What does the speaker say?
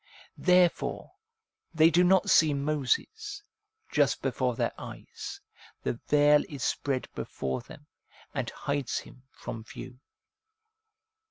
Therefore they do not see Moses, just before their eyes ; the veil is spread before them, and hides him from view.